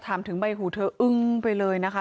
ถามถึงใบหูเธออึ้งไปเลยนะคะ